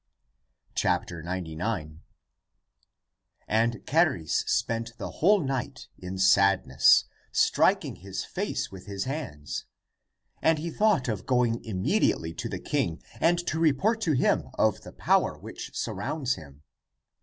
99. And Charis spent the whole night in sad ness, striking his face with the hands. And he thought of going immediately to the king and to re port to him of the power which surrounds him.